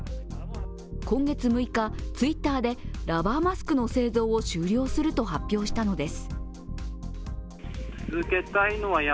今月６日、Ｔｗｉｔｔｅｒでラバーマスクの製造を終了すると発表したのです。